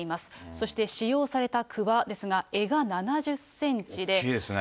そして使用されたくわですが、大きいですね。